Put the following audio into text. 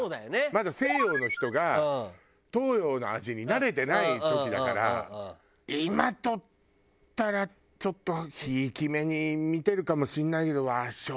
まだ西洋の人が東洋の味に慣れてない時だから今とったらちょっとひいき目に見てるかもしれないけど。